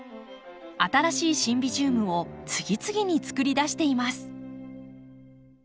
新しいシンビジウムを次々に作り出しています。